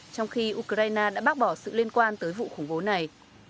trong khi ukraine đã bác bỏ sự liên quan tới vụ khủng bố này